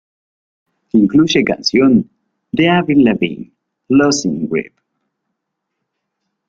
Incluye canción de Avril Lavigne "Losing Grip".